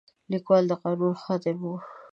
لیکوال د قانون خادم و.